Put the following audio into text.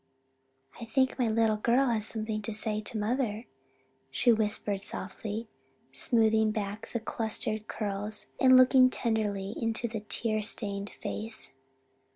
"I think my little girl has something to say to mother," she whispered softly, smoothing back the clustering curls, and looking tenderly into the tear stained face.